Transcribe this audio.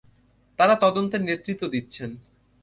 তারা তদন্তের নেতৃত্ব দিচ্ছেন।